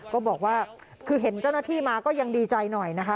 ก็บอกว่าคือเห็นเจ้าหน้าที่มาก็ยังดีใจหน่อยนะคะ